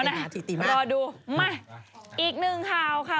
รอดูมาอีกหนึ่งข่าวค่ะ